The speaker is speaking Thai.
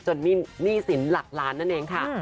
หนี้สินหลักล้านนั่นเองค่ะ